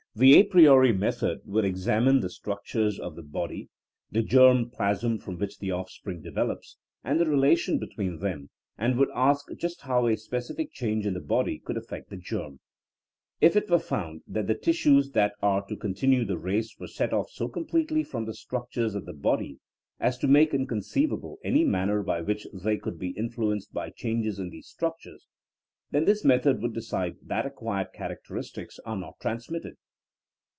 The a priori method would examine the structures of the body, the germ plasm from which the offspring develops, and the relation between them, and would ask just how a specific change in the body could affect the germ. If it were found that the tissues that are to continue the race were set off so completely from the structures of the body as to make inconceivable any manner by which they could be influenced by changes in these structures, then this method would decide that acquired characteristics are not trans mitted.